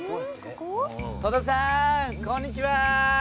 戸田さんこんにちは。